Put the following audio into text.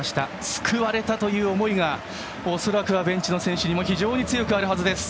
救われたという思いが恐らく、ベンチの選手にも非常に強くあるはずです。